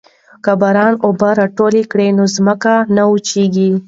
که باران اوبه راټولې کړو نو ځمکه نه وچیږي.